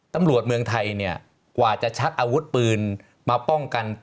ตำรวจเมืองไทยกว่าจะชักอาวุธปืนมาป้องกัน